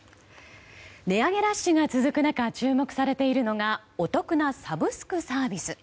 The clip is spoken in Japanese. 値上げラッシュが続く中注目されているのがお得なサブスクサービス。